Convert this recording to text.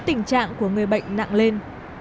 tình trạng của người bệnh nặng lên